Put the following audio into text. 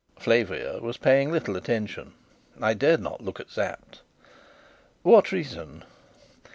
Flavia was paying little attention. I dared not look at Sapt. "What reason?"